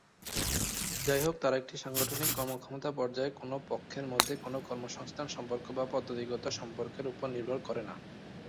যাইহোক, তারা একটি সাংগঠনিক কর্মক্ষমতা পর্যায়ে কোন পক্ষের মধ্যে কোন কর্মসংস্থান সম্পর্ক বা পদ্ধতিগত সম্পর্কের উপর নির্ভর করে না।